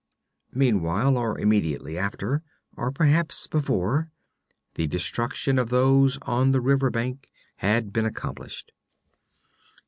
Meanwhile, or immediately after, or perhaps before, the destruction of those on the riverbank had been accomplished.